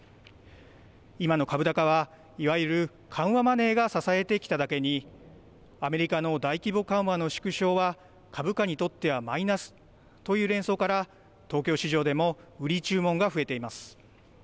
今の株高は、いわゆる緩和マネーが支えてきただけにアメリカの大規模緩和の縮小は株価にとってはマイナスという連想から東京市場でも売り注文が増えています。